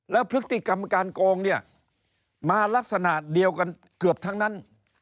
แล้วพฤติกรรมการโกงเนี่ยมาลักษณะเดียวกันเกือบทั้งนั้น